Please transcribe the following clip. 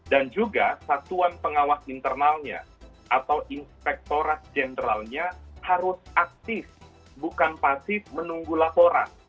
dan juga satuan pengawas internalnya atau inspektoras generalnya harus aktif bukan pasif menunggu laporan